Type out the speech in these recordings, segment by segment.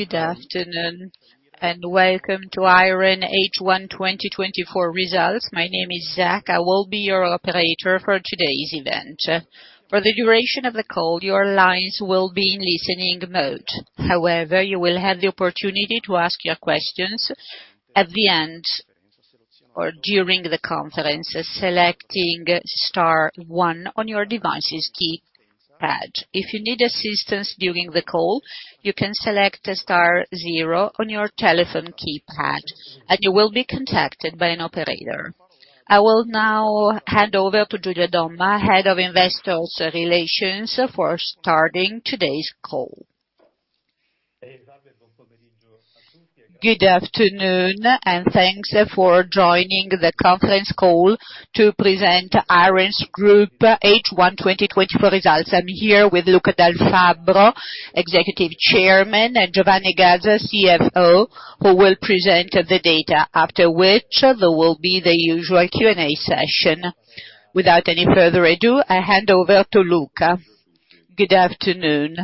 Good afternoon and welcome to IREN H1 2024 Results. My name is Zach. I will be your operator for today's event. For the duration of the call, your lines will be in listening mode. However, you will have the opportunity to ask your questions at the end or during the conference, selecting Star one on your device's keypad. If you need assistance during the call, you can select Star zero on your telephone keypad, and you will be contacted by an operator. I will now hand over to Giulio Domma, Head of Investor Relations, for starting today's call. Good afternoon, and thanks for joining the conference call to present IREN Group's H1 2024 results. I'm here with Luca Dal Fabbro, Executive Chairman, and Giovanni Gazza, CFO, who will present the data, after which there will be the usual Q&A session. Without any further ado, I hand over to Luca. Good afternoon.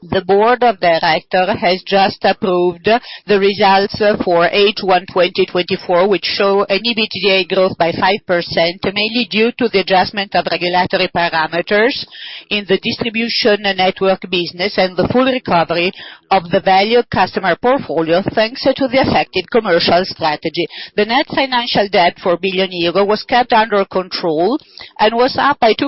The Board of Directors has just approved the results for H1 2024, which show an EBITDA growth by 5%, mainly due to the adjustment of regulatory parameters in the distribution network business and the full recovery of the value customer portfolio, thanks to the effective commercial strategy. The net financial debt for 1 billion euro was kept under control and was up by 2%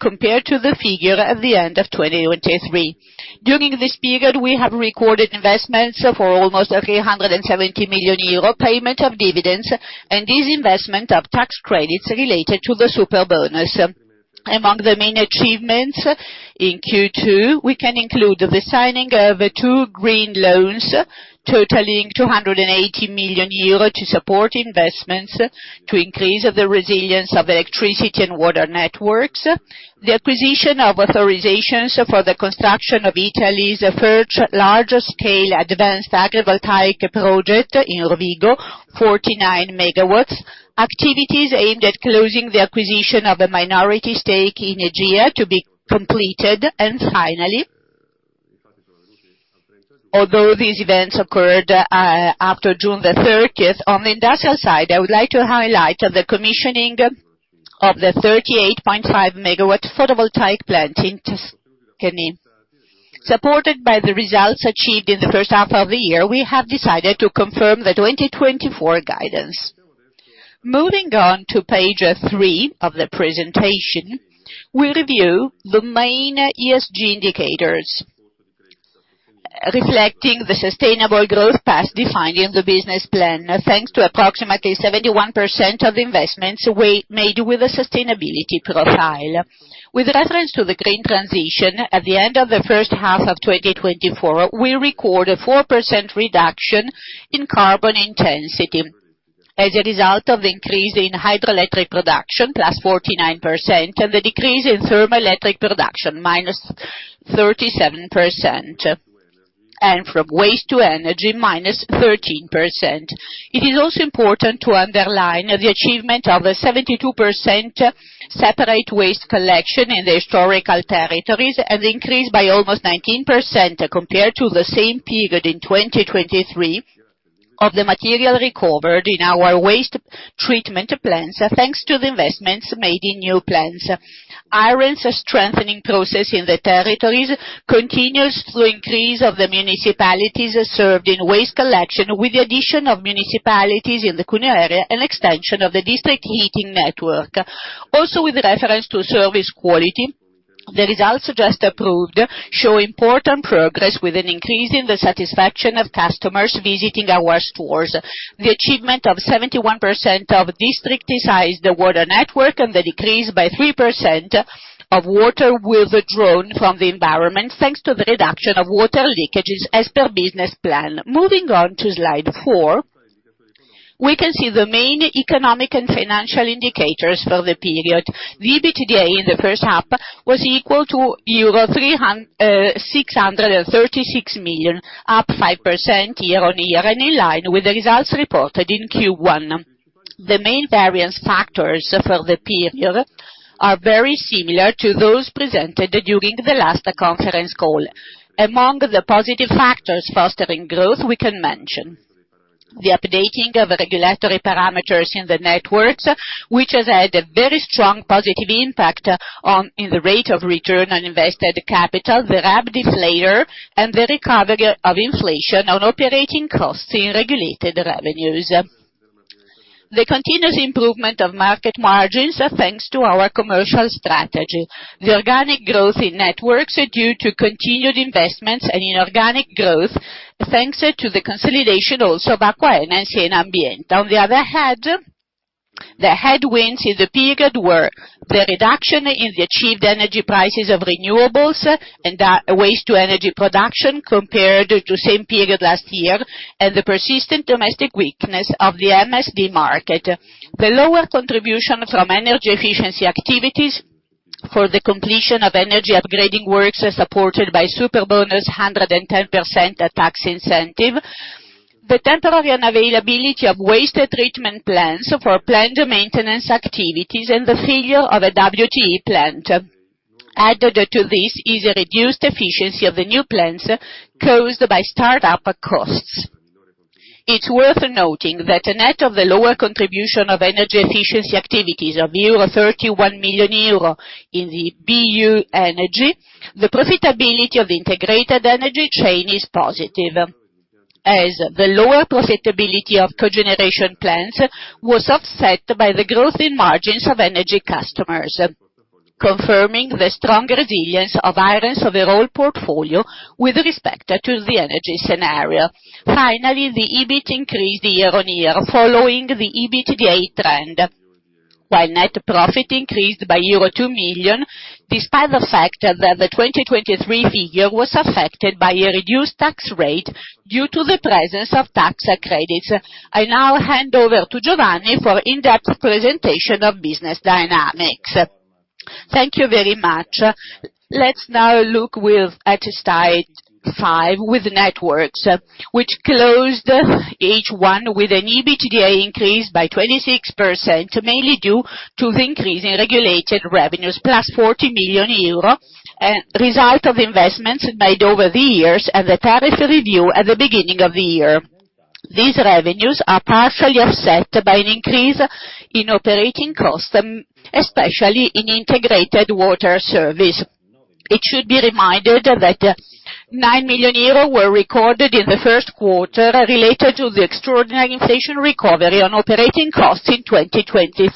compared to the figure at the end of 2023. During this period, we have recorded investments for almost 370 million euro, payment of dividends, and disinvestment of tax credits related to the super bonus. Among the main achievements in Q2, we can include the signing of two green loans totaling 280 million euro to support investments to increase the resilience of electricity and water networks, the acquisition of authorizations for the construction of Italy's first large-scale advanced agrivoltaic project in Rovigo, 49 MW, activities aimed at closing the acquisition of a minority stake in Egea to be completed. Finally, although these events occurred after June 30, on the industrial side, I would like to highlight the commissioning of the 38.5 MW photovoltaic plant in Tuscany. Supported by the results achieved in the first half of the year, we have decided to confirm the 2024 guidance. Moving on to page Three of the presentation, we review the main ESG indicators reflecting the sustainable growth path defined in the business plan, thanks to approximately 71% of the investments made with a sustainability profile. With reference to the green transition, at the end of the first half of 2024, we record a 4% reduction in carbon intensity as a result of the increase in hydroelectric production, +49%, and the decrease in thermal electric production, -37%, and from waste to energy, -13%. It is also important to underline the achievement of a 72% separate waste collection in the historical territories and the increase by almost 19% compared to the same period in 2023 of the material recovered in our waste treatment plants, thanks to the investments made in new plants. IREN's strengthening process in the territories continues through the increase of the municipalities served in waste collection, with the addition of municipalities in the Cuneo area and extension of the district heating network. Also, with reference to service quality, the results just approved show important progress with an increase in the satisfaction of customers visiting our stores, the achievement of 71% of district-sized water network, and the decrease by 3% of water withdrawn from the environment, thanks to the reduction of water leakages as per business plan. Moving on to slide four, we can see the main economic and financial indicators for the period. The EBITDA in the first half was equal to euro 636 million, up 5% year-over-year, and in line with the results reported in Q1. The main variance factors for the period are very similar to those presented during the last conference call. Among the positive factors fostering growth, we can mention the updating of regulatory parameters in the networks, which has had a very strong positive impact on the rate of return on invested capital, the RAB deflator, and the recovery of inflation on operating costs in regulated revenues. The continuous improvement of market margins, thanks to our commercial strategy, the organic growth in networks due to continued investments and inorganic growth, thanks to the consolidation also of acqua, energy, and ambiente. On the other hand, the headwinds in the period were the reduction in the achieved energy prices of renewables and waste-to-energy production compared to the same period last year and the persistent domestic weakness of the MSD market. The lower contribution from energy efficiency activities for the completion of energy upgrading works supported by super bonus 110% tax incentive, the temporary unavailability of waste treatment plants for planned maintenance activities, and the failure of a WTE plant. Added to this is the reduced efficiency of the new plants caused by startup costs. It's worth noting that net of the lower contribution of energy efficiency activities of 31 million euro in the BU energy, the profitability of the integrated energy chain is positive, as the lower profitability of cogeneration plants was offset by the growth in margins of energy customers, confirming the strong resilience of IREN's overall portfolio with respect to the energy scenario. Finally, the EBIT increased year-on-year following the EBITDA trend, while net profit increased by euro 2 million, despite the fact that the 2023 figure was affected by a reduced tax rate due to the presence of tax credits. I now hand over to Giovanni for in-depth presentation of business dynamics. Thank you very much. Let's now look at slide five with networks, which closed each one with an EBITDA increase by 26%, mainly due to the increase in regulated revenues, +40 million euro result of investments made over the years and the tariff review at the beginning of the year. These revenues are partially offset by an increase in operating costs, especially in integrated water service. It should be reminded that 9 million euro were recorded in the first quarter related to the extraordinary inflation recovery on operating costs in 2023.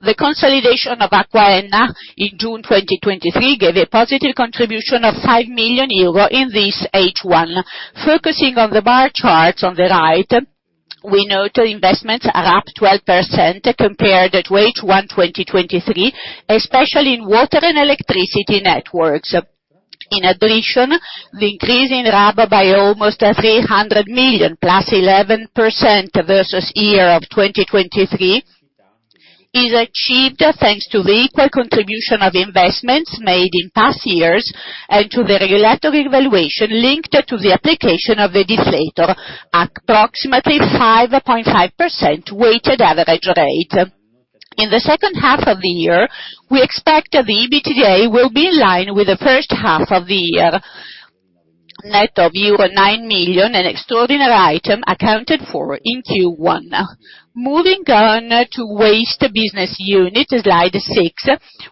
The consolidation of AcquaEn in June 2023 gave a positive contribution of 5 million euro in this H1. Focusing on the bar charts on the right, we note investments are up 12% compared to H1 2023, especially in water and electricity networks. In addition, the increase in RAB by almost 300 million, +11% versus year of 2023, is achieved thanks to the equal contribution of investments made in past years and to the regulatory evaluation linked to the application of the deflator, approximately 5.5% weighted average rate. In the second half of the year, we expect the EBITDA will be in line with the first half of the year, net of euro 9 million and extraordinary item accounted for in Q1. Moving on to waste business unit, slide six,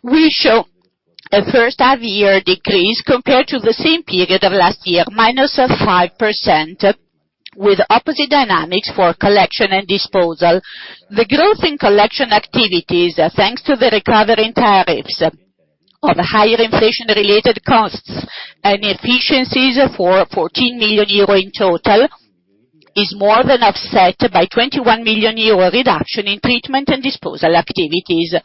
we show a first-half-year decrease compared to the same period of last year, -5%, with opposite dynamics for collection and disposal. The growth in collection activities, thanks to the recovering tariffs of higher inflation-related costs and efficiencies for 14 million euro in total, is more than offset by 21 million euro reduction in treatment and disposal activities.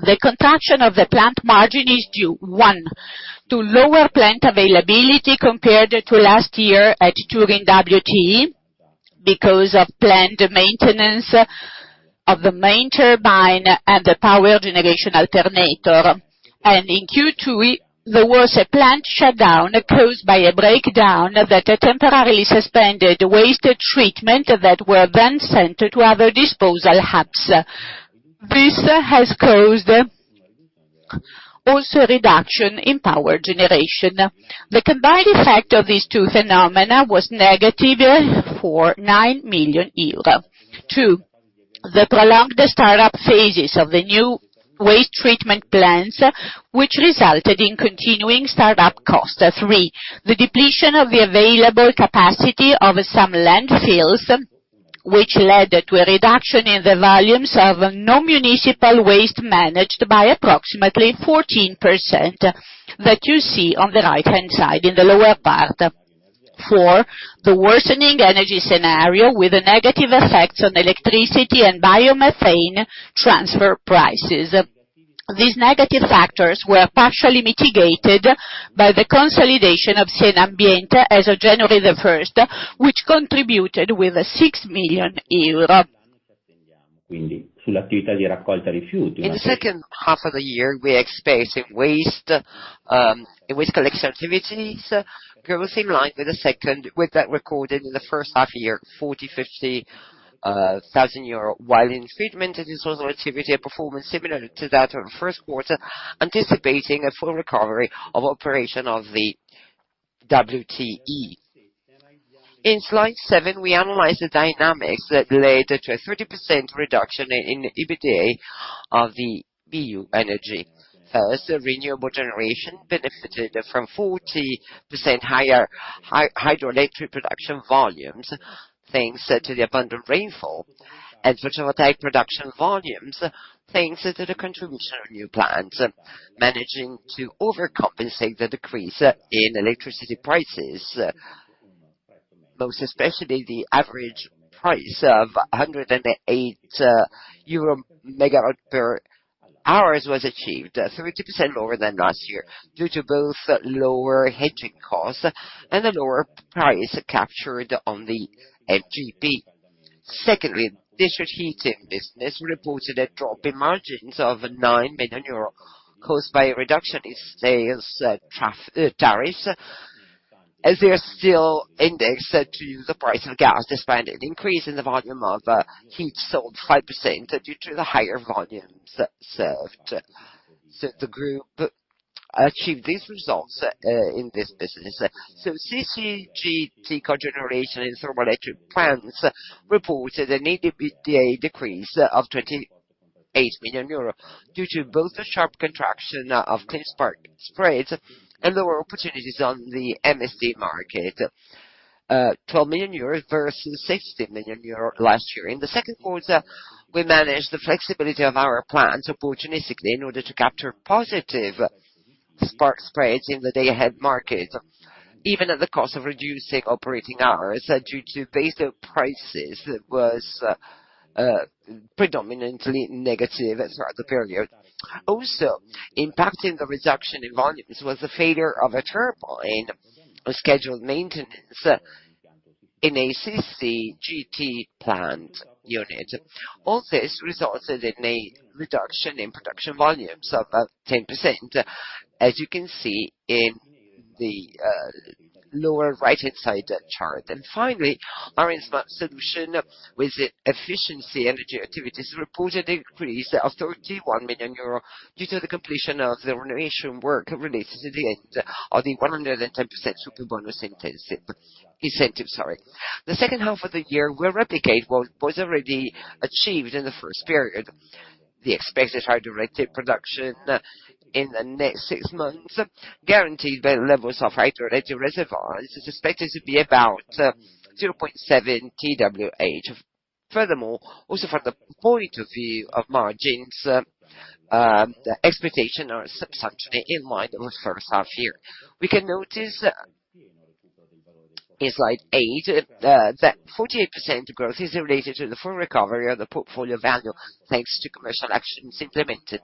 The contraction of the plant margin is due, one, to lower plant availability compared to last year at Turin WTE because of planned maintenance of the main turbine and the power generation alternator. And in Q2, there was a plant shutdown caused by a breakdown that temporarily suspended waste treatment that were then sent to other disposal hubs. This has caused also a reduction in power generation. The combined effect of these two phenomena was negative for 9 million euros. Two, the prolonged startup phases of the new waste treatment plants, which resulted in continuing startup costs. Three, the depletion of the available capacity of some landfills, which led to a reduction in the volumes of non-municipal waste managed by approximately 14% that you see on the right-hand side in the lower part. Four, the worsening energy scenario with negative effects on electricity and biomethane transfer prices. These negative factors were partially mitigated by the consolidation of Sienambiente as of January 1, which contributed with EUR 6 million. In the second half of the year, we expect waste collection activities growth in line with that recorded in the first half-year, EUR 40,000, while in treatment and disposal activity, a performance similar to that of the first quarter, anticipating a full recovery of operation of the WTE. In slide seven, we analyze the dynamics that led to a 30% reduction in EBITDA of the BU energy. First, renewable generation benefited from 40% higher hydroelectric production volumes, thanks to the abundant rainfall, and photovoltaic production volumes, thanks to the contribution of new plants managing to overcompensate the decrease in electricity prices. Most especially, the average price of EUR 108/MWh was achieved, 30% lower than last year due to both lower hedging costs and the lower price captured on the MGP. Secondly, district heating business reported a drop in margins of 9 million euros caused by a reduction in sales tariffs, as they are still indexed to the price of gas, despite an increase in the volume of heat sold, 5% due to the higher volumes served. So the group achieved these results in this business. So CCGT cogeneration and thermal electric plants reported an EBITDA decrease of 28 million euro due to both a sharp contraction of clean spark spreads and lower opportunities on the MSD market, 12 million euros versus 60 million euros last year. In the second quarter, we managed the flexibility of our plants opportunistically in order to capture positive spark spreads in the day-ahead market, even at the cost of reducing operating hours due to base prices that were predominantly negative throughout the period. Also, impacting the reduction in volumes was the failure of a turbine scheduled maintenance in a CCGT plant unit. All this resulted in a reduction in production volumes of 10%, as you can see in the lower right-hand side chart. Finally, IREN's solution with efficiency energy activities reported an increase of 31 million euro due to the completion of the renovation work related to the end of the 110% super bonus incentive. The second half of the year will replicate what was already achieved in the first period. The expected hydroelectric production in the next six months, guaranteed by the levels of hydroelectric reservoirs, is expected to be about 0.7 TWH. Furthermore, also from the point of view of margins, the expectations are substantially in line with the first half year. We can notice in slide eight that 48% growth is related to the full recovery of the portfolio value, thanks to commercial actions implemented.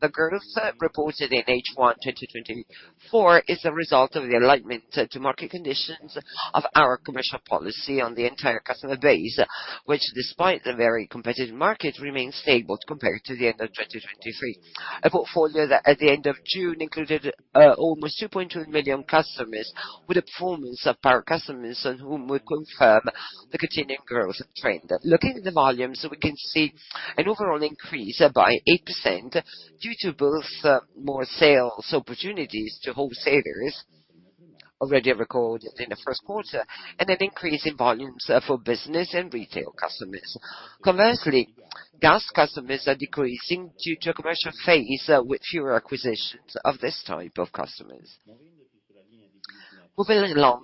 The growth reported in H1 2024 is the result of the alignment to market conditions of our commercial policy on the entire customer base, which, despite the very competitive market, remains stable compared to the end of 2023. A portfolio that at the end of June included almost 2.2 million customers with a performance of power customers on whom would confirm the continuing growth trend. Looking at the volumes, we can see an overall increase by 8% due to both more sales opportunities to wholesalers already recorded in the first quarter and an increase in volumes for business and retail customers. Conversely, gas customers are decreasing due to a commercial phase with fewer acquisitions of this type of customers. Moving along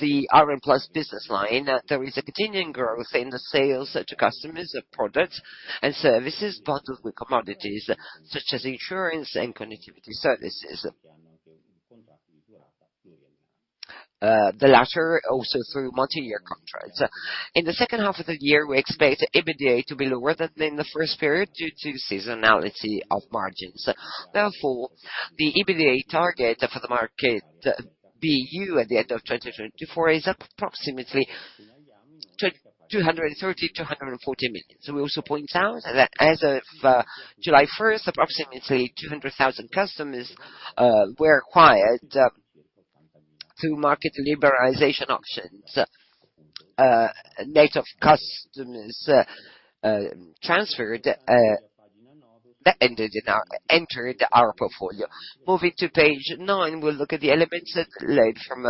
the IREN Plus business line, there is a continuing growth in the sales to customers of products and services bundled with commodities such as insurance and connectivity services, the latter also through multi-year contracts. In the second half of the year, we expect EBITDA to be lower than in the first period due to seasonality of margins. Therefore, the EBITDA target for the market BU at the end of 2024 is approximately 230 million-240 million. We also point out that as of July 1st, approximately 200,000 customers were acquired through market liberalization options. Net of customers transferred that entered our portfolio. Moving to page nine, we'll look at the elements that led from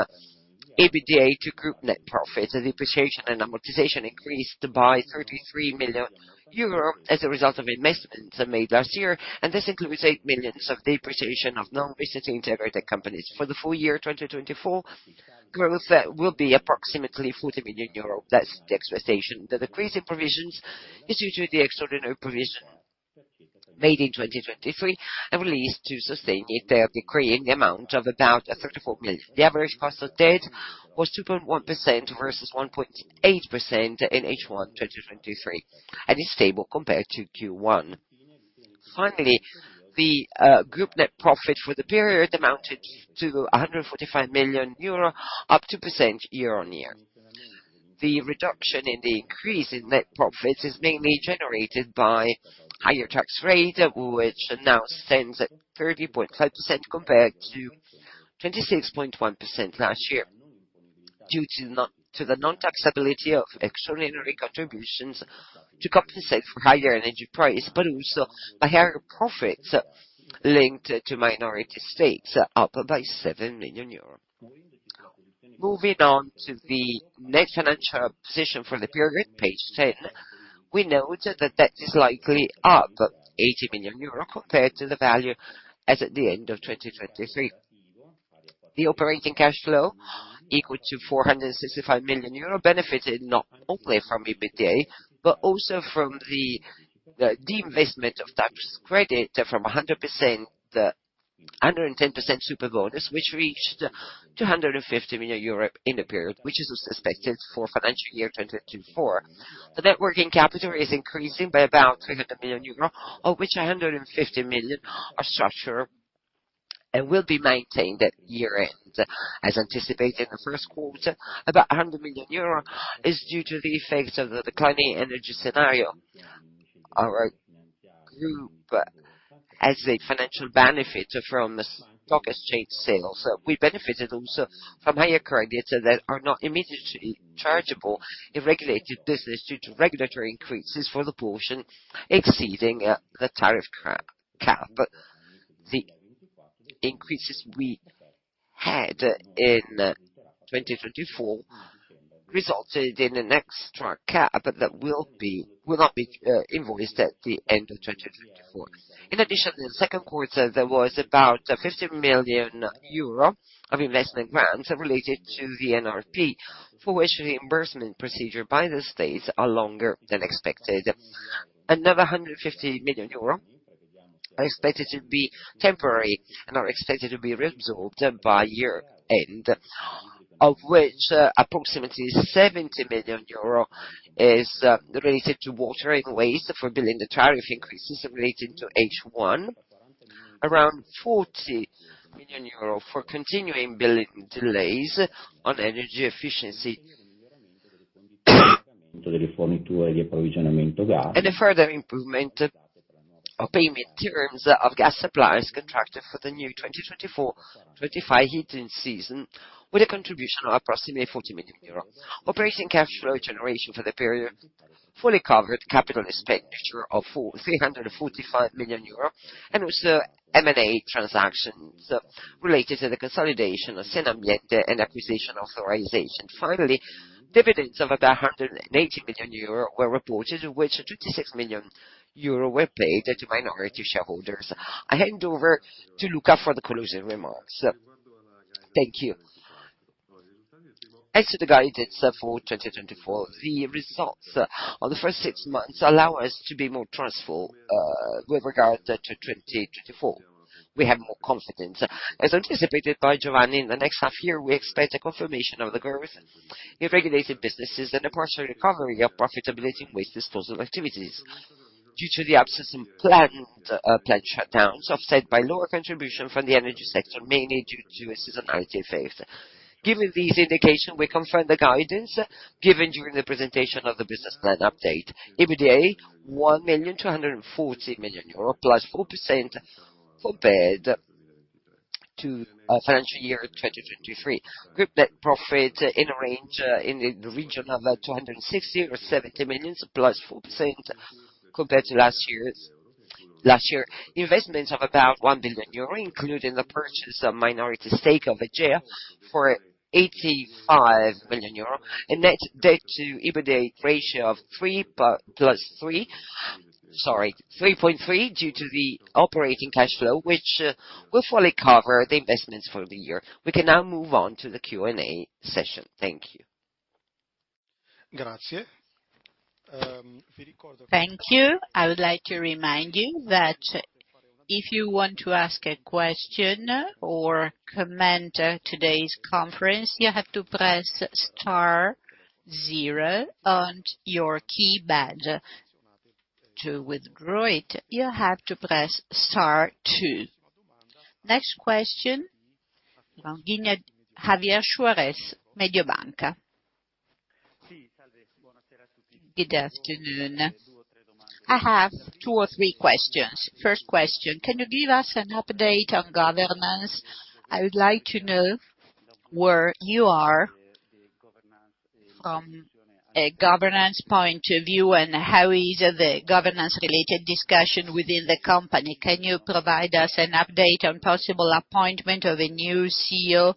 EBITDA to group net profit. The depreciation and amortization increased by 33 million euro as a result of investments made last year, and this includes 8 million of depreciation of non-recently integrated companies. For the full year 2024, growth will be approximately 40 million euros. That's the expectation. The decrease in provisions is due to the extraordinary provision made in 2023 and released to sustain it, decreasing the amount of about 34 million. The average cost of debt was 2.1% versus 1.8% in H1 2023, and it's stable compared to Q1. Finally, the group net profit for the period amounted to 145 million euro, up 2% year-over-year. The reduction in the increase in net profits is mainly generated by higher tax rate, which now stands at 30.5% compared to 26.1% last year due to the non-taxability of extraordinary contributions to compensate for higher energy price, but also the higher profits linked to minority stakes, up by 7 million euros. Moving on to the net financial position for the period, page ten, we note that debt is likely up 80 million euro compared to the value as at the end of 2023. The operating cash flow, equal to 465 million euro, benefited not only from EBITDA, but also from the disinvestment of tax credit from 110% super bonus, which reached 250 million euro in the period, which is also expected for financial year 2024. The net working capital is increasing by about 300 million euros, of which 150 million are structural and will be maintained at year-end, as anticipated in the first quarter. About 100 million euro is due to the effect of the declining energy scenario. Our group, as a financial benefit from stock exchange sales, we benefited also from higher credits that are not immediately chargeable in regulated business due to regulatory increases for the portion exceeding the tariff cap. The increases we had in 2024 resulted in an extra cap that will not be invoiced at the end of 2024. In addition, in the second quarter, there was about 15 million euro of investment grants related to the NRP, for which reimbursement procedures by the states are longer than expected. Another 150 million euro are expected to be temporary and are expected to be resolved by year-end, of which approximately 70 million euro is related to water and waste for billing the tariff increases related to H1, around 40 million euro for continuing billing delays on energy efficiency. A further improvement of payment terms of gas suppliers contracted for the new 2024-25 heating season, with a contribution of approximately 40 million euros. Operating cash flow generation for the period fully covered capital expenditure of 345 million euro, and also M&A transactions related to the consolidation of Sienambiente and acquisition authorization. Finally, dividends of about 180 million euro were reported, of which 26 million euro were paid to minority shareholders. I hand over to Luca for the closing remarks. Thank you. As to the guidance for 2024, the results of the first six months allow us to be more trustful with regard to 2024. We have more confidence, as anticipated by Giovanni. In the next half year, we expect a confirmation of the growth in regulated businesses and a partial recovery of profitability in waste disposal activities due to the absence of planned shutdowns, offset by lower contribution from the energy sector, mainly due to a seasonality effect. Given these indications, we confirm the guidance given during the presentation of the business plan update. EBITDA 1,240 million euro +4% compared to financial year 2023. Group net profit in a range in the region of 260 million or 70 million, +4% compared to last year. Investments of about 1 billion euro, including the purchase of minority stake of Egea for 85 million euro, and net debt to EBITDA ratio of 3 + 3, sorry, 3.3 due to the operating cash flow, which will fully cover the investments for the year. We can now move on to the Q&A session. Thank you. Thank you. I would like to remind you that if you want to ask a question or comment today's conference, you have to press star zero on your keypad. To withdraw it, you have to press star two. Next question, Javier Suarez, Mediobanca. Good afternoon. I have two or three questions. First question, can you give us an update on governance? I would like to know where you are from a governance point of view and how is the governance-related discussion within the company? Can you provide us an update on possible appointment of a new CEO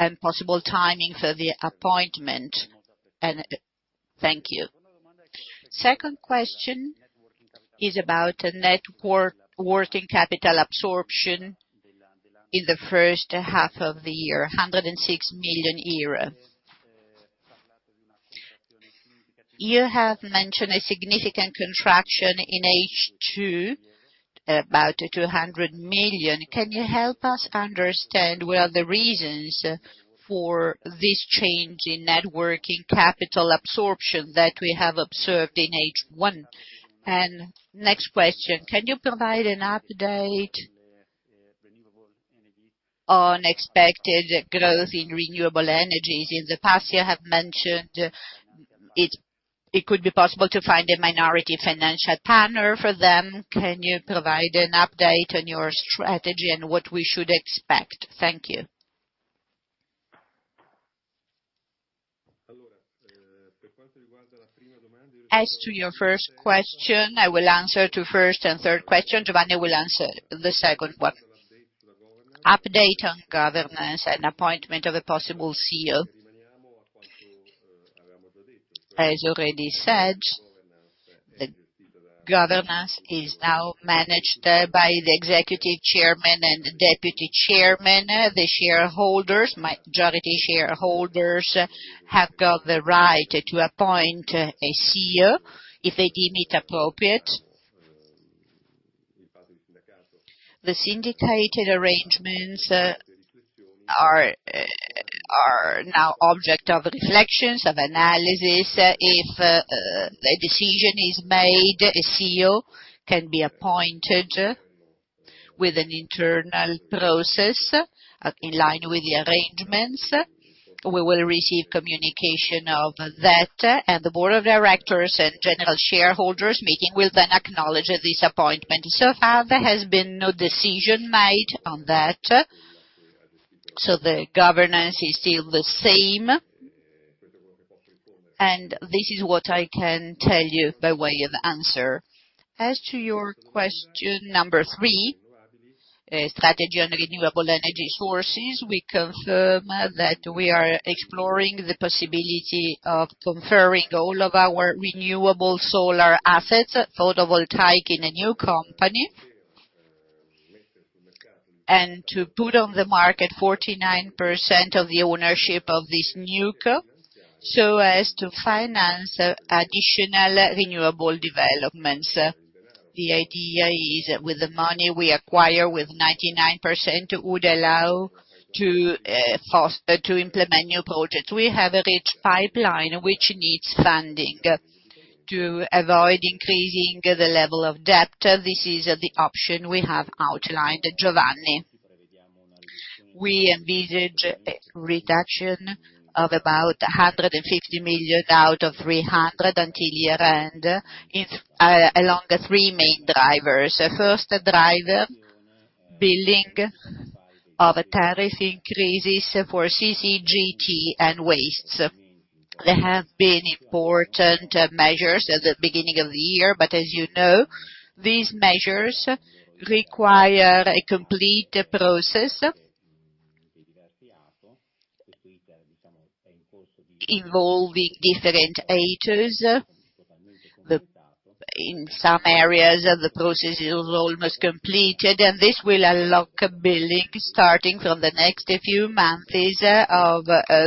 and possible timing for the appointment? Thank you. Second question is about net working capital absorption in the first half of the year, 106 million euro. You have mentioned a significant contraction in H2, about 200 million. Can you help us understand what are the reasons for this change in net working capital absorption that we have observed in H1? And next question, can you provide an update on expected growth in renewable energies? In the past, you have mentioned it could be possible to find a minority financial partner for them. Can you provide an update on your strategy and what we should expect? Thank you. As to your first question, I will answer to first and third question. Giovanni will answer the second one. Update on governance and appointment of a possible CEO. As already said, governance is now managed by the Executive Chairman and Deputy Chairman. The shareholders, majority shareholders, have got the right to appoint a CEO if they deem it appropriate. The syndicated arrangements are now object of reflections, of analysis. If a decision is made, a CEO can be appointed with an internal process in line with the arrangements. We will receive communication of that, and the Board of Directors and general shareholders meeting will then acknowledge this appointment. So far, there has been no decision made on that. So the governance is still the same, and this is what I can tell you by way of answer. As to your question number three, strategy on renewable energy sources, we confirm that we are exploring the possibility of conferring all of our renewable solar assets, photovoltaic in a new company, and to put on the market 49% of the ownership of this NewCo so as to finance additional renewable developments. The idea is that with the money we acquire with 99%, it would allow to implement new projects. We have a rich pipeline which needs funding to avoid increasing the level of debt. This is the option we have outlined, Giovanni. We envisage a reduction of about 150 million out of 300 million until year-end along three main drivers. First driver, billing of tariff increases for CCGT and waste. There have been important measures at the beginning of the year, but as you know, these measures require a complete process involving different actors. In some areas, the process is almost completed, and this will unlock billing starting from the next few months of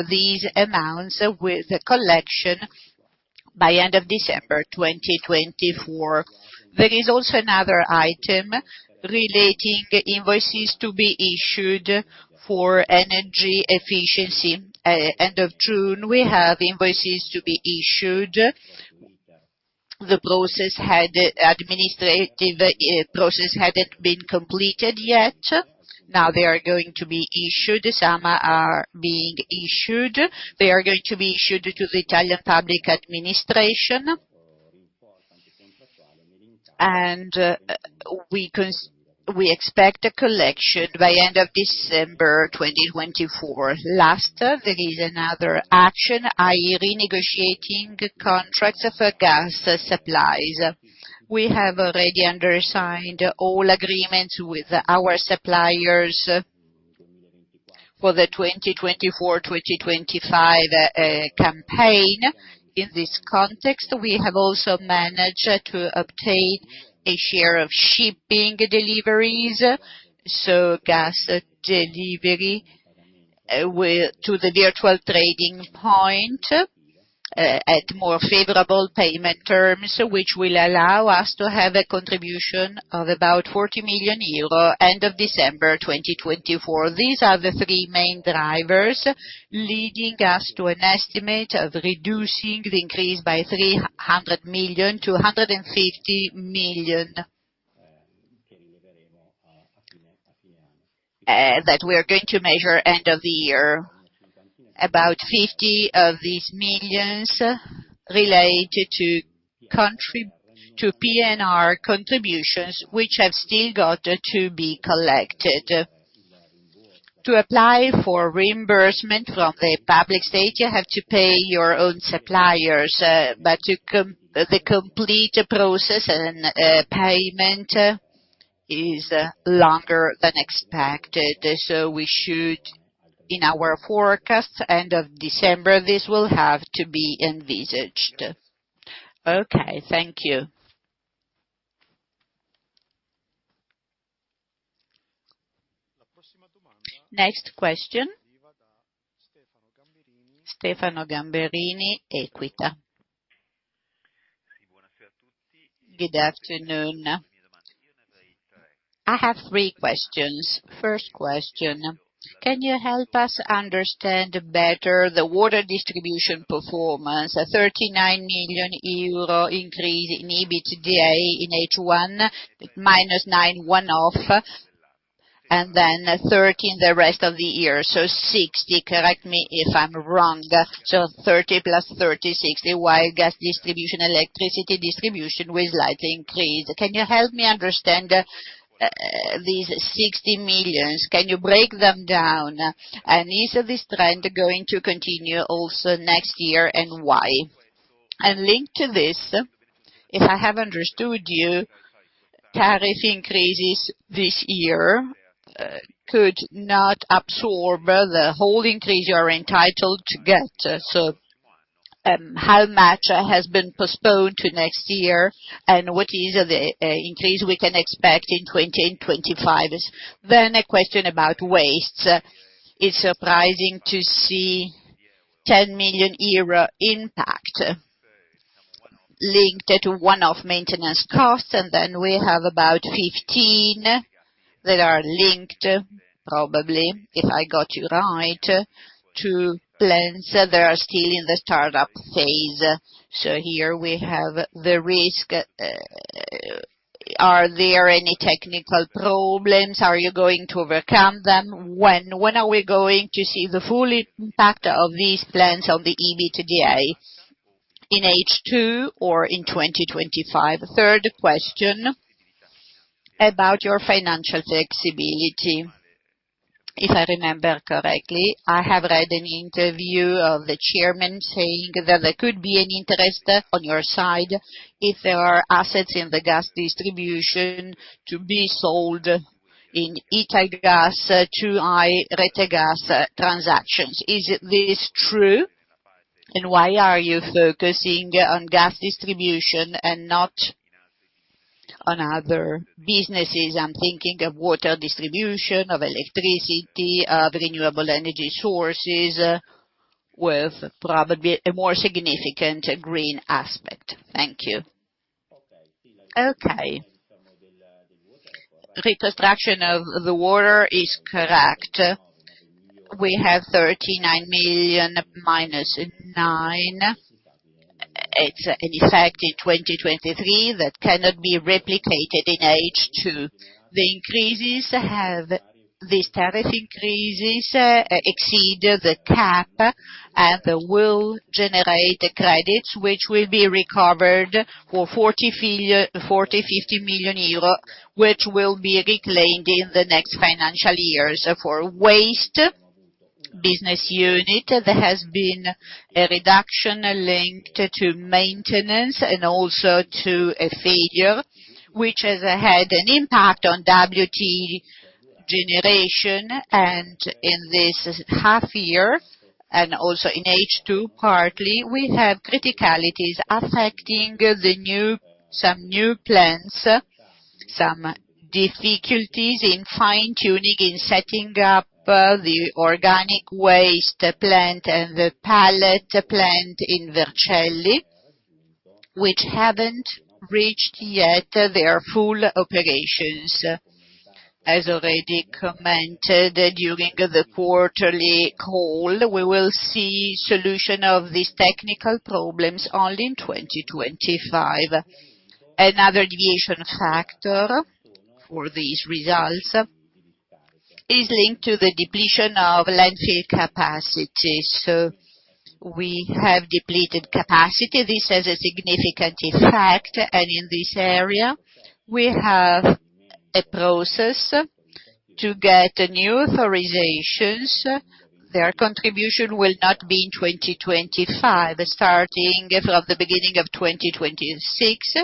these amounts with collection by end of December 2024. There is also another item relating to invoices to be issued for energy efficiency. End of June, we have invoices to be issued. The administrative process hadn't been completed yet. Now they are going to be issued. Some are being issued. They are going to be issued to the Italian public administration, and we expect collection by end of December 2024. Last, there is another action, i.e., renegotiating contracts for gas supplies. We have already signed all agreements with our suppliers for the 2024-2025 campaign. In this context, we have also managed to obtain a share of shipping deliveries, so gas delivery to the virtual trading point at more favorable payment terms, which will allow us to have a contribution of about 40 million euro end of December 2024. These are the three main drivers leading us to an estimate of reducing the increase by 300 million-150 million that we are going to measure end of the year. About 50 of these millions relate to PNRR contributions, which have still got to be collected. To apply for reimbursement from the public state, you have to pay your own suppliers, but the complete process and payment is longer than expected. So we should, in our forecast, end of December, this will have to be envisaged. Okay, thank you. Next question. Stefano Gamberini, Equita. Good afternoon. I have three questions. First question, can you help us understand better the water distribution performance? 39 million euro increase in EBITDA in H1, -9 million one off, and then 30 million in the rest of the year. So 60 million, correct me if I'm wrong. So 30+30, 60 million, while gas distribution, electricity distribution will slightly increase. Can you help me understand these 60 millions? Can you break them down? And is this trend going to continue also next year and why? And linked to this, if I have understood you, tariff increases this year could not absorb the whole increase you are entitled to get. So how much has been postponed to next year and what is the increase we can expect in 2025? Then a question about waste. It's surprising to see 10 million euro impact linked to one-off maintenance costs, and then we have about 15 that are linked, probably, if I got you right, to plans that are still in the startup phase. So here we have the risk. Are there any technical problems? Are you going to overcome them? When are we going to see the full impact of these plans on the EBITDA in H2 or in 2025? Third question about your financial flexibility. If I remember correctly, I have read an interview of the chairman saying that there could be an interest on your side if there are assets in the gas distribution to be sold in Italgas to IREN gas transactions. Is this true? And why are you focusing on gas distribution and not on other businesses? I'm thinking of water distribution, of electricity, of renewable energy sources with probably a more significant green aspect. Thank you. Okay. Reconstruction of the water is correct. We have EUR 39 million -9. It's an effect in 2023 that cannot be replicated in H2. The increases have these tariff increases exceed the cap and will generate credits which will be recovered for 40-50 million euro, which will be reclaimed in the next financial years for waste business unit that has been a reduction linked to maintenance and also to a failure, which has had an impact on WTE generation. And in this half year, and also in H2 partly, we have criticalities affecting some new plants, some difficulties in fine-tuning, in setting up the organic waste plant and the pallet plant in Vercelli, which haven't reached yet their full operations. As already commented during the quarterly call, we will see solution of these technical problems only in 2025. Another deviation factor for these results is linked to the depletion of landfill capacity. So we have depleted capacity. This has a significant effect, and in this area, we have a process to get new authorizations. Their contribution will not be in 2025. Starting from the beginning of 2026,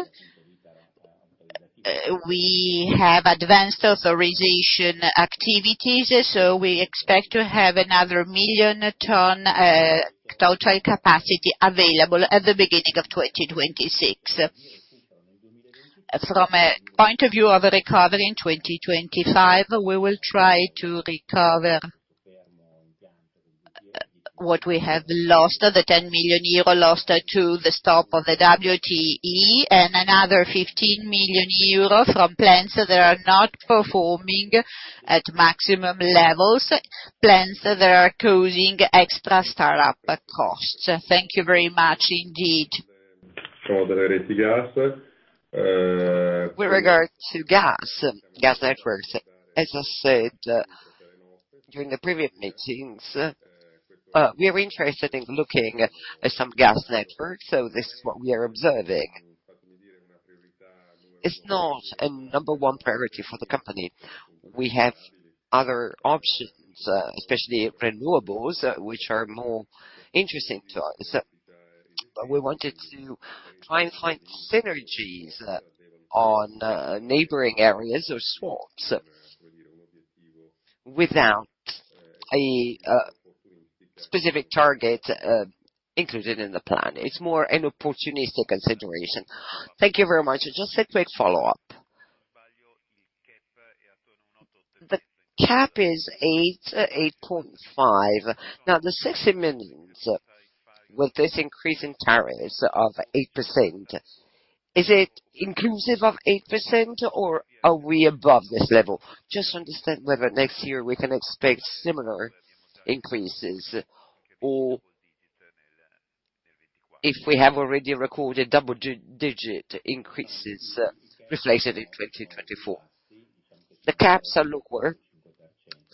we have advanced authorization activities, so we expect to have another 1 million-ton total capacity available at the beginning of 2026. From a point of view of recovery in 2025, we will try to recover what we have lost, the 10 million euro lost to the stop of the WTE, and another 15 million euro from plants that are not performing at maximum levels, plants that are causing extra startup costs. Thank you very much indeed. With regard to gas, gas networks, as I said during the previous meetings, we are interested in looking at some gas networks. So this is what we are observing. It's not a number one priority for the company. We have other options, especially renewables, which are more interesting to us. We wanted to try and find synergies on neighboring areas or swaps without a specific target included in the plan. It's more an opportunistic consideration. Thank you very much. Just a quick follow-up. The cap is 8.5%. Now, the 60 million with this increase in tariffs of 8%, is it inclusive of 8%, or are we above this level? Just understand whether next year we can expect similar increases or if we have already recorded double-digit increases reflected in 2024. The caps are lower,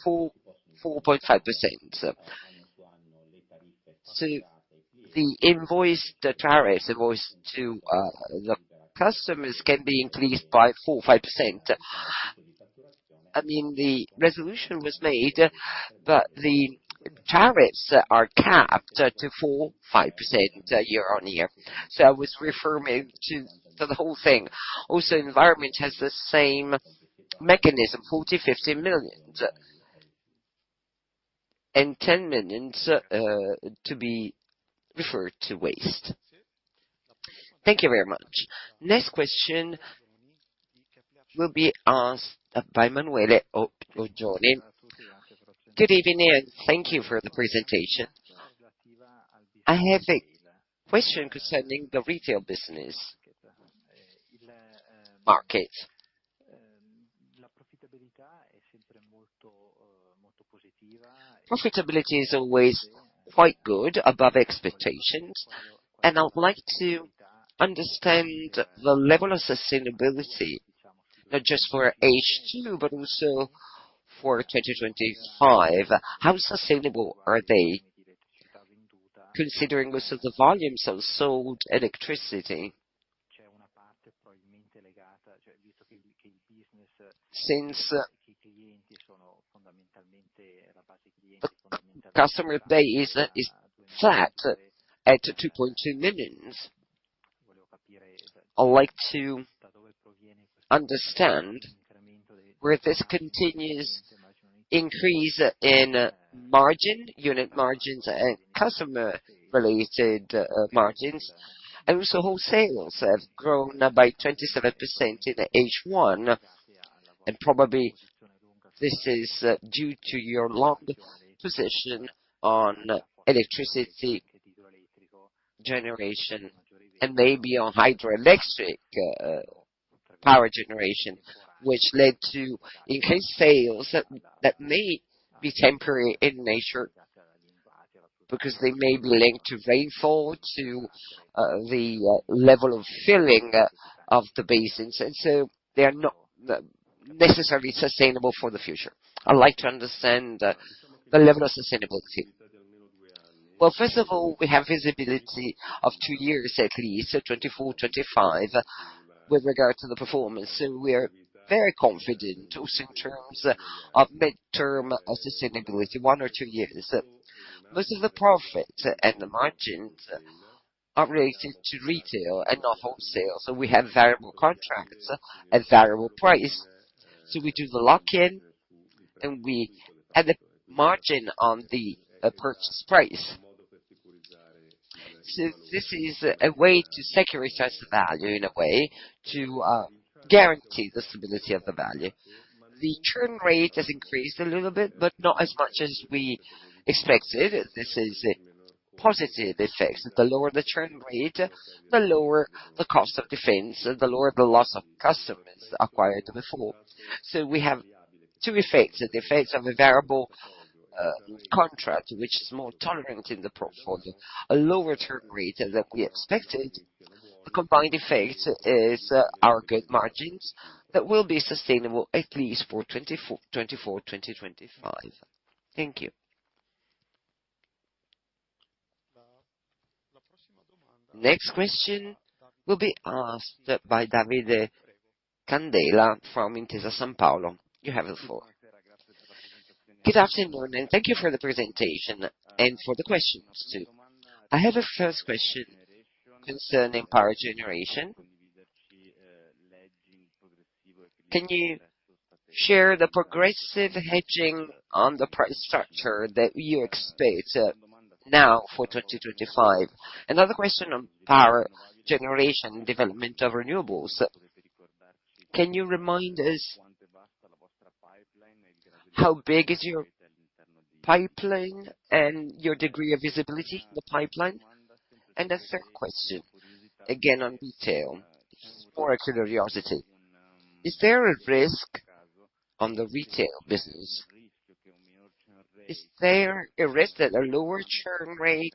4.5%. So the invoice, the tariffs invoice to the customers can be increased by 4.5%. I mean, the resolution was made, but the tariffs are capped to 4.5% year-on-year. So I was referring to the whole thing. Also, the environment has the same mechanism, 40, 50 million, and 10 million to be referred to waste. Thank you very much. Next question will be asked by Emanuele Oggioni. Good evening, and thank you for the presentation. I have a question concerning the retail business market. Profitability is always quite good, above expectations, and I'd like to understand the level of sustainability, not just for H2, but also for 2025. How sustainable are they considering most of the volumes of sold electricity? Since customer base is flat at 2.2 millions, I'd like to understand where this continues to increase in margin, unit margins, and customer-related margins. And also, wholesales have grown by 27% in H1, and probably this is due to your long position on electricity generation and maybe on hydroelectric power generation, which led to increased sales that may be temporary in nature because they may be linked to rainfall, to the level of filling of the basins. And so they are not necessarily sustainable for the future. I'd like to understand the level of sustainability. Well, first of all, we have visibility of two years at least, 2024, 2025, with regard to the performance. So we are very confident also in terms of midterm sustainability, one or two years. Most of the profits and the margins are related to retail and not wholesale. So we have variable contracts at variable price. So we do the lock-in, and we add the margin on the purchase price. So this is a way to securitize the value in a way to guarantee the stability of the value. The churn rate has increased a little bit, but not as much as we expected. This is a positive effect. The lower the churn rate, the lower the cost of defense, and the lower the loss of customers acquired before. So we have two effects. The effects of a variable contract, which is more tolerant in the portfolio, a lower churn rate than we expected. The combined effect is our good margins that will be sustainable at least for 2024-2025. Thank you. Next question will be asked by Davide Candela from Intesa Sanpaolo. You have the floor. Good afternoon, and thank you for the presentation and for the questions too. I have a first question concerning power generation. Can you share the progressive hedging on the price structure that you expect now for 2025? Another question on power generation and development of renewables. Can you remind us how big is your pipeline and your degree of visibility in the pipeline? And a third question, again on retail, just for curiosity. Is there a risk on the retail business? Is there a risk that a lower churn rate,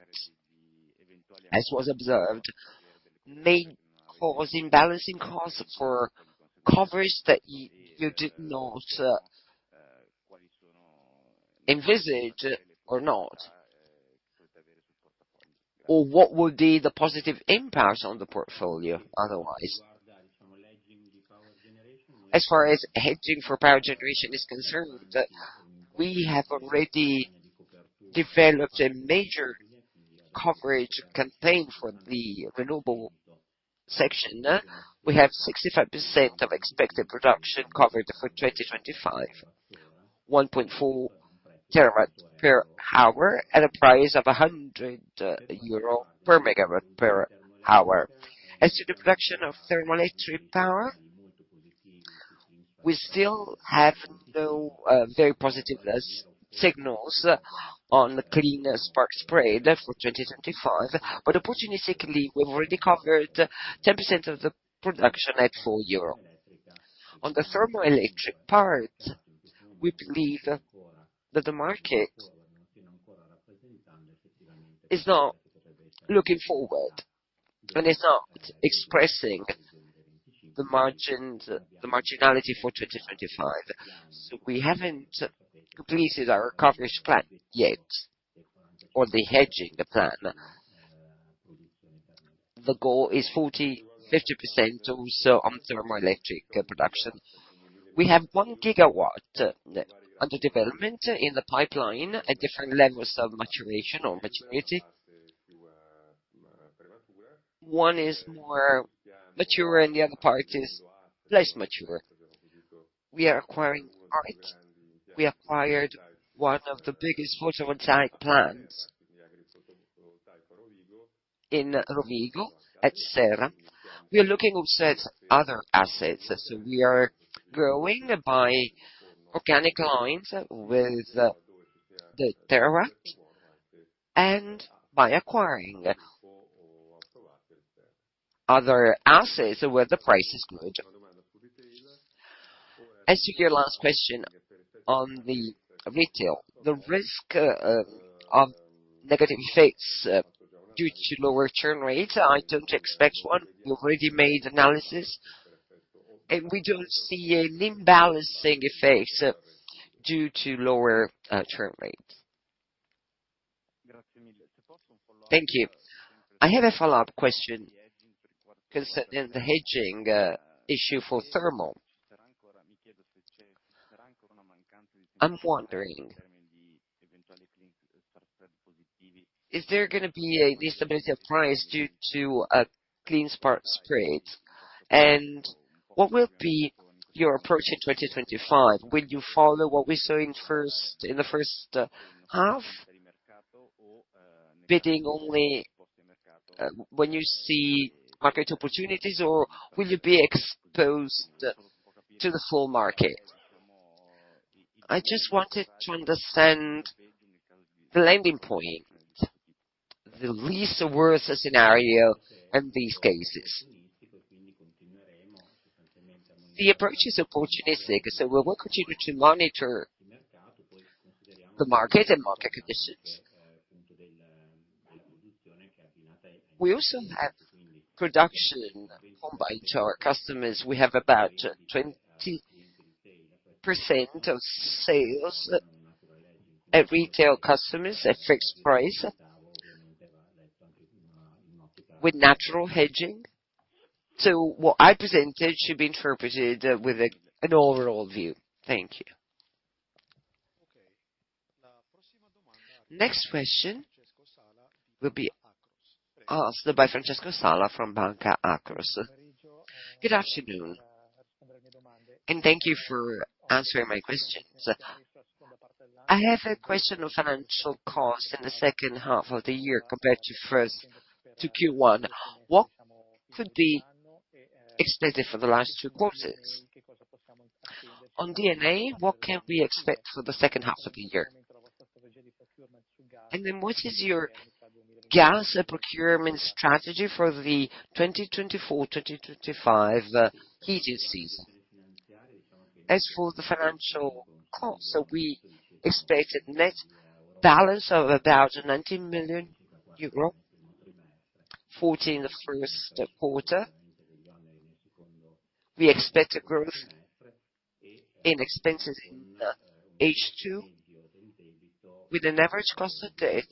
as was observed, may cause imbalancing costs for coverage that you did not envisage or not? Or what would be the positive impact on the portfolio otherwise? As far as hedging for power generation is concerned, we have already developed a major coverage campaign for the renewable section. We have 65% of expected production covered for 2025, 1.4 TWH at a price of 100 euro per MWH. As to the production of thermal electric power, we still have no very positive signals on clean spark spread for 2025, but opportunistically, we've already covered 10% of the production at four. On the thermal electric part, we believe that the market is not looking forward and is not expressing the marginality for 2025. So we haven't completed our coverage plan yet or the hedging plan. The goal is 40%-50% also on thermal electric production. We have 1 GW under development in the pipeline at different levels of maturation or maturity. One is more mature, and the other part is less mature. We are acquiring Arc. We acquired one of the biggest photovoltaic plants in Rovigo, etc. We are looking also at other assets. So we are growing by organic lines with the TW and by acquiring other assets where the price is good. As to your last question on the retail, the risk of negative effects due to lower churn rate, I don't expect one. We already made analysis, and we don't see an imbalancing effect due to lower churn rate. Thank you. I have a follow-up question concerning the hedging issue for thermal. I'm wondering, is there going to be a stability of price due to clean spark spread? And what will be your approach in 2025? Will you follow what we saw in the first half, bidding only when you see market opportunities, or will you be exposed to the full market? I just wanted to understand the landing point, the least worst scenario in these cases. The approach is opportunistic. So we will continue to monitor the market and market conditions. We also have production combined to our customers. We have about 20% of sales at retail customers at fixed price with natural hedging. So what I presented should be interpreted with an overall view. Thank you. Next question will be asked by Francesco Sala from Banca Akros. Good afternoon, and thank you for answering my questions. I have a question of financial cost in the second half of the year compared to Q1. What could be expected for the last two quarters? On D&A, what can we expect for the second half of the year? And then what is your gas procurement strategy for the 2024-2025 heating season? As for the financial cost, we expected net balance of about 90 million euro, 40 million in the first quarter. We expect a growth in expenses in H2 with an average cost of debt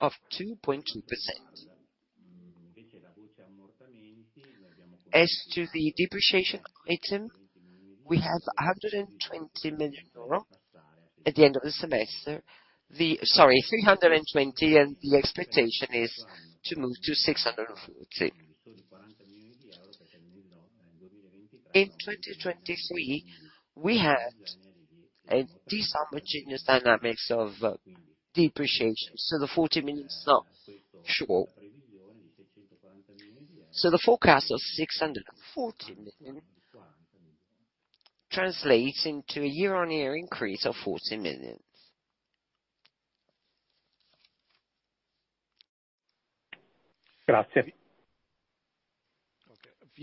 of 2.2%. As to the depreciation item, we have 120 million euro at the end of the semester, sorry, 320 million, and the expectation is to move to 640 million. In 2023, we had these homogeneous dynamics of depreciation. So the 40 million is not sure. So the forecast of 640 million translates into a year-on-year increase of 40 million.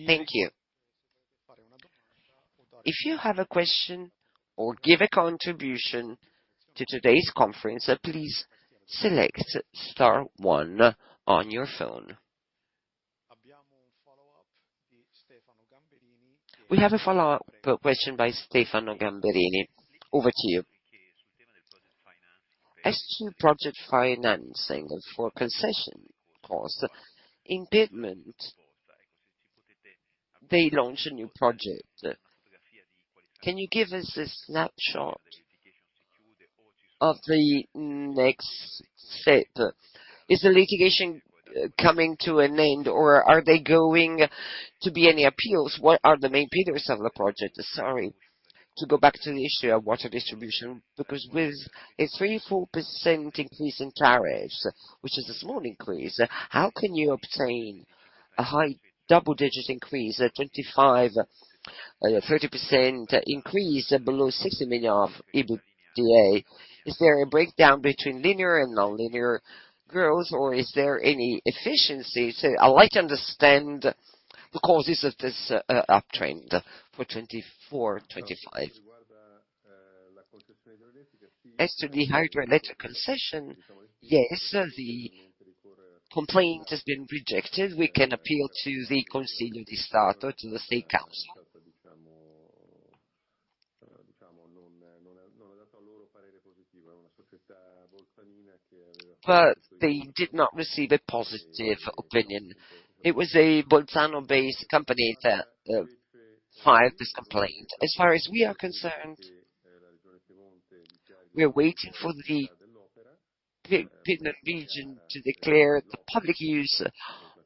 Thank you. If you have a question or give a contribution to today's conference, please select Star one on your phone. We have a follow-up question by Stefano Gamberini. Over to you. As to project financing for concession costs, in payment, they launch a new project. Can you give us a snapshot of the next step? Is the litigation coming to an end, or are there going to be any appeals? What are the main pillars of the project? Sorry. To go back to the issue of water distribution, because with a 3%-4% increase in tariffs, which is a small increase, how can you obtain a high double-digit increase, a 25%-30% increase below 60 million of EBITDA? Is there a breakdown between linear and non-linear growth, or is there any efficiency? So I'd like to understand the causes of this uptrend for 2024-2025. As to the hydroelectric concession, yes, the complaint has been rejected. We can appeal to the Consiglio di Stato, to the State Council. But they did not receive a positive opinion. It was a Bolzano-based company that filed this complaint. As far as we are concerned, we are waiting for the region to declare the public use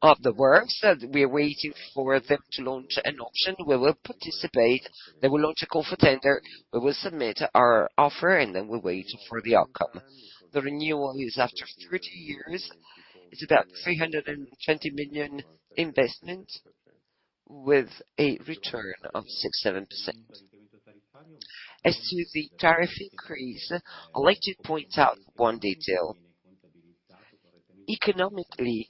of the works. We are waiting for them to launch an option. We will participate. They will launch a call for tender. We will submit our offer, and then we'll wait for the outcome. The renewal is after 30 years. It's about 320 million investment with a return of 6%-7%. As to the tariff increase, I'd like to point out one detail. Economically,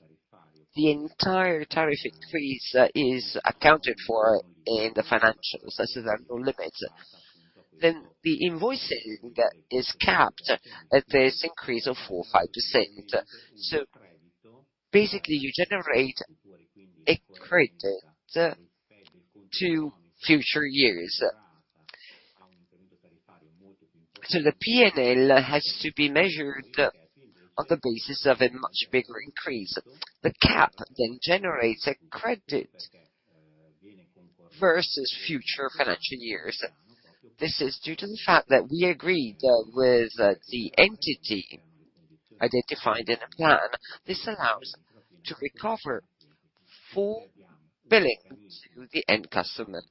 the entire tariff increase is accounted for in the financials as a rental limit. Then the invoicing is capped at this increase of 4%-5%. So basically, you generate a credit to future years. So the P&L has to be measured on the basis of a much bigger increase. The cap then generates a credit versus future financial years. This is due to the fact that we agreed with the entity identified in the plan. This allows us to recover full billing to the end customer.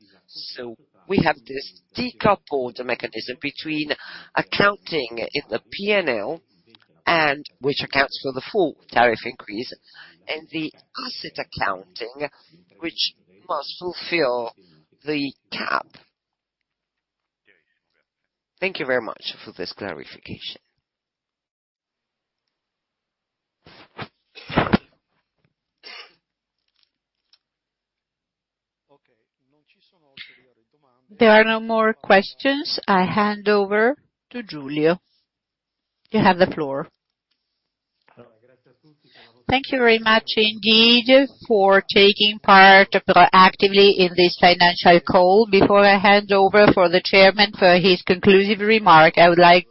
We have this decoupled mechanism between accounting in the P&L, which accounts for the full tariff increase, and the asset accounting, which must fulfill the cap. Thank you very much for this clarification. There are no more questions. I hand over to Giulio. You have the floor. Thank you very much indeed for taking part proactively in this financial call. Before I hand over for the Chairman for his conclusive remark, I would like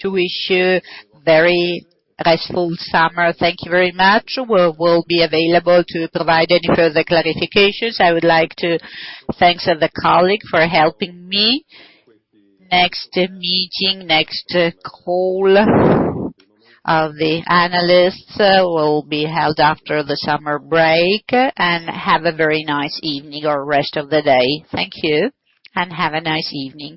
to wish you a very restful summer. Thank you very much. We will be available to provide any further clarifications. I would like to thank the colleague for helping me. Next meeting, next call of the analysts will be held after the summer break. Have a very nice evening or rest of the day. Thank you and have a nice evening.